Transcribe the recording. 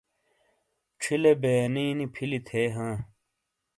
چھیلے بیانی نی پھِیلی تھے ہاں۔